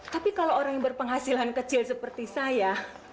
tapi kalau orang yang berpenghasilan kecil seperti saya